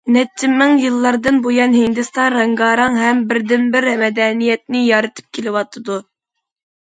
نەچچە مىڭ يىللاردىن بۇيان، ھىندىستان رەڭگارەڭ ھەم بىردىنبىر مەدەنىيەتنى يارىتىپ كېلىۋاتىدۇ.